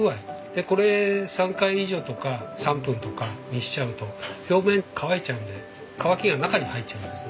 でこれ３回以上とか３分とかにしちゃうと表面乾いちゃうんで乾きが中に入っちゃうんですね。